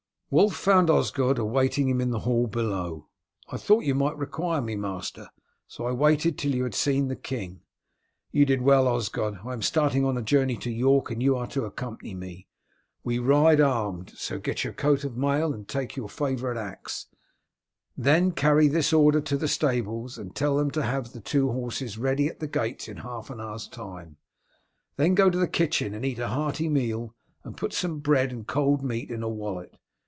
Wulf found Osgod awaiting him in the hall below. "I thought you might require me, master, so I waited till you had seen the king." "You did well, Osgod. I am starting on a journey to York and you are to accompany me. We ride armed, so get on your coat of mail and take your favourite axe, then carry this order to the stables and tell them to have the two horses ready at the gates in half an hour's time; then go to the kitchen and eat a hearty meal and put up some bread and cold meat in a wallet.